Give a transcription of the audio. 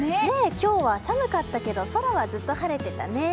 今日は寒かったけど空はずっと晴れてたね。